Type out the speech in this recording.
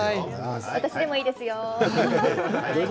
私でもいいですよ。